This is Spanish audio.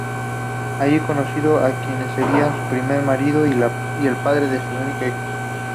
Allí conoció a quien sería su primer marido y padre de su única hija.